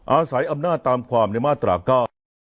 อาศัยอำนาจตามความในมาตราเก้า